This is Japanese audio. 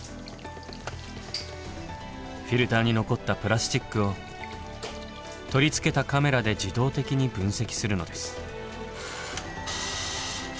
フィルターに残ったプラスチックを取り付けたカメラで自動的に分析するのです。